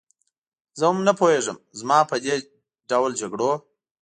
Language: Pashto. زه هم نه پوهېږم، زما په دې ډول جګړو.